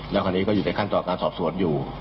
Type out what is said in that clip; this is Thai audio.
แล้วคราวนี้ก็อยู่ในขั้นตอนการสอบสวนอยู่